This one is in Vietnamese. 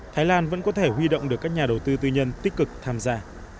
thái lan vẫn có thể huy động được các nhà đầu tư tư nhân tích cực tham gia